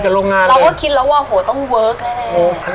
เป็นกับโรงงานเลยเราก็คิดแล้วว่าโหต้องเวิร์คได้เลย